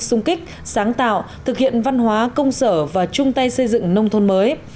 sung kích sáng tạo thực hiện văn hóa công sở và chung tay xây dựng nông thôn mới